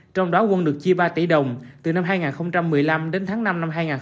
trong đó quân được chia ba tỷ đồng từ năm hai nghìn một mươi năm đến tháng năm năm hai nghìn một mươi bảy